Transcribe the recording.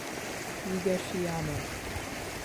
Higashiyama.